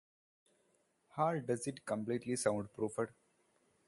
Hall does it is completely soundproofed.